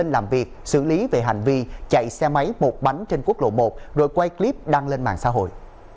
làm việc xử lý về hành vi chạy xe máy một bánh trên quốc lộ một rồi quay clip đăng lên mạng xã hội